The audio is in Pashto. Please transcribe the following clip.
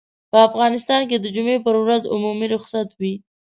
په افغانستان کې د جمعې پر ورځ عمومي رخصت وي.